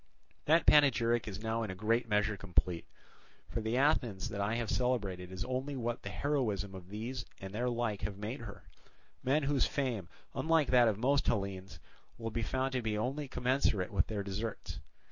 That panegyric is now in a great measure complete; for the Athens that I have celebrated is only what the heroism of these and their like have made her, men whose fame, unlike that of most Hellenes, will be found to be only commensurate with their deserts.